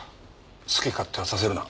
好き勝手はさせるな。